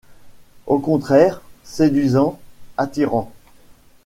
Au contraire, séduisant, attirant.